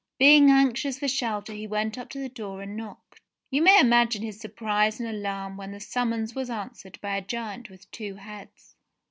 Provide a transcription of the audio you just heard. Being anxious for shelter he went up to the door and knocked. You may imagine his surprise and alarm when the summons was answered by a giant with two heads.